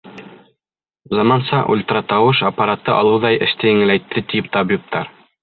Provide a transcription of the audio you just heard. Заманса ультратауыш аппараты алыу ҙа эште еңеләйтте, ти табиптар.